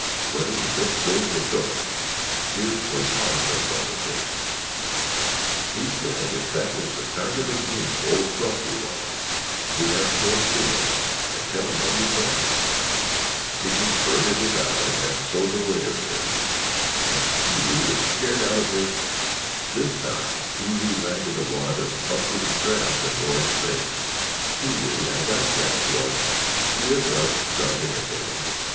"Well, zip goes the fillum! Here's where Tom comes on the scene. He said that if that was the kind of a gink Old Crusty was we'd have to go and see him and tell him what we'd done. He just blurted it out in that sober way of his and Pee wee was scared out of his——" This time Pee wee landed a wad of uprooted grass in Roy's face. "Pee wee, as I said, was—with us (dodging again).